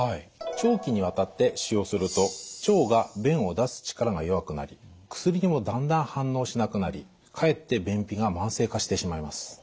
長期にわたって使用すると腸が便を出す力が弱くなり薬にもだんだん反応しなくなりかえって便秘が慢性化してしまいます。